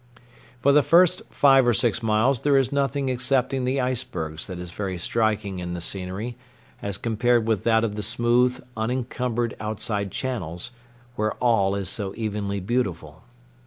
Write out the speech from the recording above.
For the first five or six miles there is nothing excepting the icebergs that is very striking in the scenery as compared with that of the smooth unencumbered outside channels, where all is so evenly beautiful.